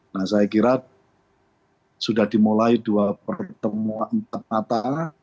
nah saya kira sudah dimulai dua pertemuan ternata